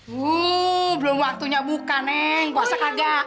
wuh belum waktunya buka neng puasa kagak